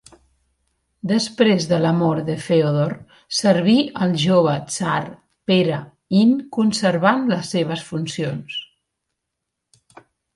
Després de la mort de Feodor serví al jove tsar Pere in conservant les seves funcions.